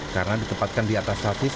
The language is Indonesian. karena dikepatkan di atas stasis